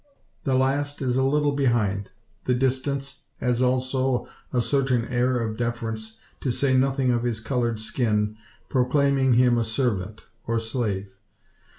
The last is a little behind; the distance, as also a certain air of deference to say nothing of his coloured skin proclaiming him a servant, or slave.